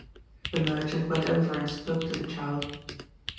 The merchant went over and spoke to the child.